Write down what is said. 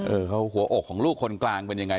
หัวอกของลูกคนกลางเป็นยังไง